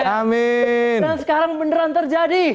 amin dan sekarang beneran terjadi